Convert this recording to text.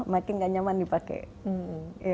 makin nggak nyaman dipakai